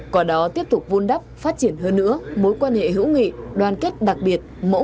quả đó tiếp tục vun đắp phát triển hơn nữa mối quan hệ hữu nghị đoàn kết đặc biệt